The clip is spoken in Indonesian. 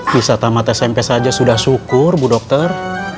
bisa tamat smp saja sudah syukur bu dokter